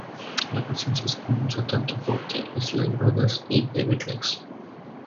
La canción se hizo famosa tanto por The Isley Brothers y The Beatles.